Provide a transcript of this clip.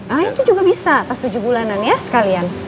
nah itu juga bisa pas tujuh bulanan ya sekalian